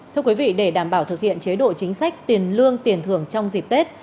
thưa quý vị để đảm bảo thực hiện chế độ chính sách tiền lương tiền thưởng trong dịp tết